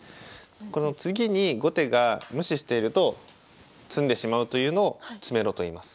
この次に後手が無視していると詰んでしまうというのを詰めろといいます。